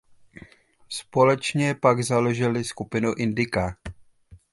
Společně pak založily skupinu Indica.